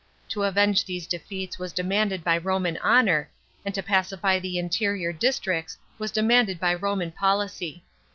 To avenge these defeats was demanded by Roman honour, and to pacify the interior districts was demanded by Roman policy.